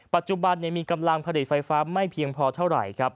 ปัจจุบันมีกำลังผลิตไฟฟ้าไม่เพียงพอเท่าไหร่ครับ